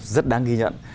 rất đáng ghi nhận